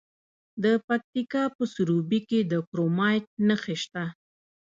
د پکتیکا په سروبي کې د کرومایټ نښې شته.